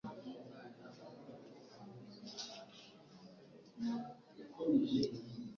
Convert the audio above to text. Nk’uko isezerano rye ryari riri,